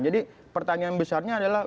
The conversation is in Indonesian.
jadi pertanyaan besarnya adalah